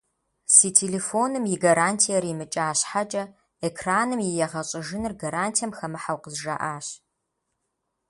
Си телефоным и гарантиер имыкӏа щхьэкӏэ, экраным и егъэщӏыжыныр гарантием хэмыхьэу къызжаӏащ.